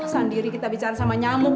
sendiri kita bicara sama nyamuk